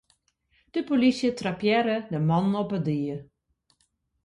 De polysje trappearre de mannen op 'e die.